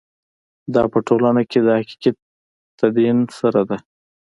دا په ټولنه کې د حقیقي تدین سره ده.